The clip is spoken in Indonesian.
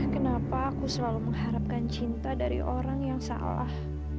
kenapa aku selalu mengharapkan cinta dari orang yang salah